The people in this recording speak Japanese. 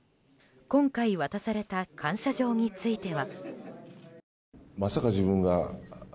今回渡された感謝状については。